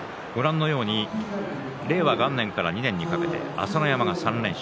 令和元年から２年にかけて朝乃山が３連勝。